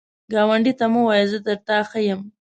ګاونډي ته مه وایه “زه تر تا ښه یم”